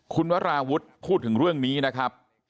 คุณวราวุฒิพูดถึงเรื่องนี้นะครับ